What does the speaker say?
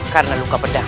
karena luka pedang